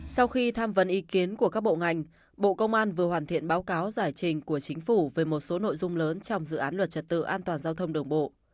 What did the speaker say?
sau khi tham vấn ý kiến của các bộ ngành bộ công an vừa hoàn thiện báo cáo giải trình của chính phủ về một số nội dung lớn trong dự án luật trật tự an toàn giao thông đường bộ